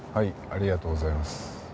ありがとうございます。